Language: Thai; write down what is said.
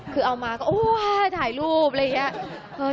คือเอามาก็โอ๊ยถ่ายรูปอะไรอย่างนี้